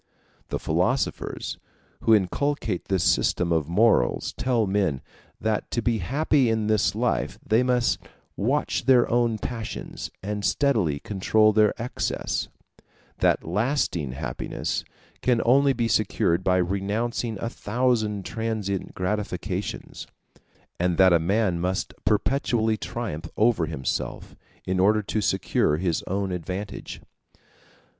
The philosophers who inculcate this system of morals tell men, that to be happy in this life they must watch their own passions and steadily control their excess; that lasting happiness can only be secured by renouncing a thousand transient gratifications; and that a man must perpetually triumph over himself, in order to secure his own advantage.